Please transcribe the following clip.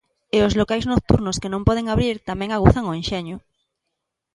E os locais nocturnos que non poden abrir tamén aguzan o enxeño.